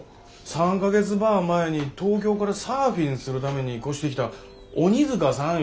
３か月ば前に東京からサーフィンするために越してきた鬼塚さんいう人がやりゆうがですけど。